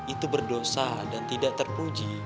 itu berdosa dan tidak terpuji